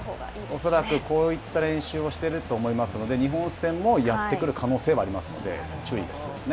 恐らく、こういった練習をしていると思いますので、日本戦もやってくる可能性はありますので、注意ですね。